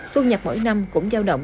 thu nhập mỗi năm cũng giao động